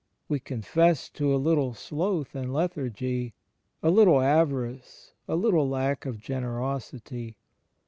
We confess to a little sloth and lethargy, a little avarice, a little lack of generosity.